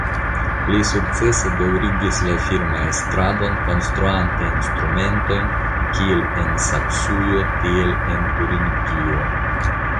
Li sukcese daŭrigis la firmaestradon konstruante instrumentojn kiel en Saksujo tiel en Turingio.